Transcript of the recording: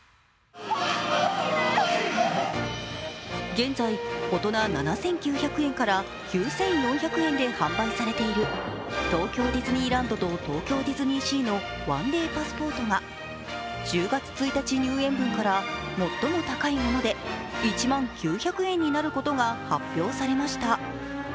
現在、大人７９００円から９４００円で販売されている東京ディズニーランドと東京ディズニーシーの１デーパスポートが１０月１日入園分から最も高いもので１万９００円になることが発表されました。